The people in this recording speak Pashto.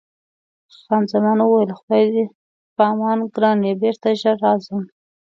خان زمان وویل: د خدای په امان ګرانې، بېرته ژر راځم.